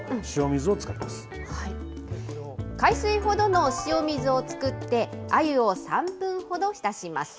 海水ほどの塩水を作って、あゆを３分ほど浸します。